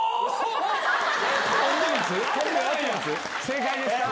正解ですか？